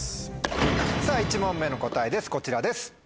さぁ１問目の答えですこちらです。